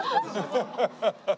ハハハハハ。